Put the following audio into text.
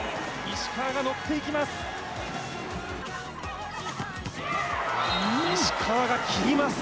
石川がのっていきます！